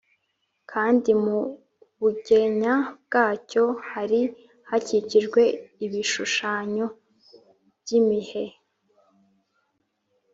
Kandi mu bugenya bwacyo hari hakikije ibishushanyo by’imihe